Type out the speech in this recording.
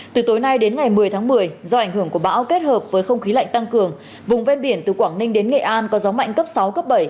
từ tối nay đến ngày một mươi tháng một mươi do ảnh hưởng của bão kết hợp với không khí lạnh tăng cường vùng ven biển từ quảng ninh đến nghệ an có gió mạnh cấp sáu cấp bảy